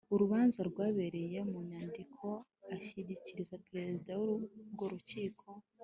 urubanza rwabereye mu nyandiko ashyikiriza perezida w urwo rukiko.